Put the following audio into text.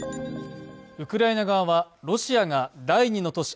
ウクライナ側はロシアが第二の都市